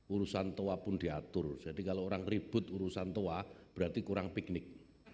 urusan toa pun diatur jadi kalau orang ribut urusan toa berarti kurang piknik